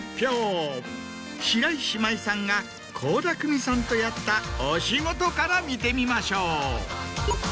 白石麻衣さんが倖田來未さんとやったお仕事から見てみましょう！